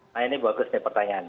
nah ini bagus nih pertanyaan